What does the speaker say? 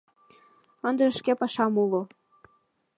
Ындыже шке пашам уло.